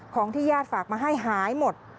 ของที่ญาติฝากมาให้หายหมด